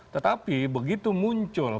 tetapi begitu muncul